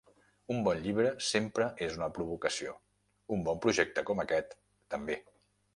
Un bon llibre sempre és una provocació; un bon projecte com aquest, també.